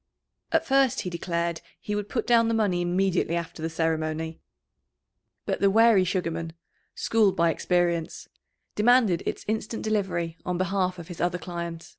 At first he declared he would put down the money immediately after the ceremony. But the wary Sugarman, schooled by experience, demanded its instant delivery on behalf of his other client.